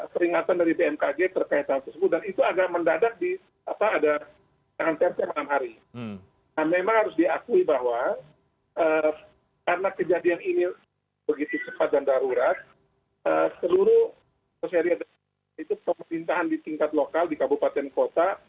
pemerintahan di tingkat lokal di kabupaten kota